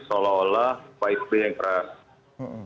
seolah olah pak sby yang keras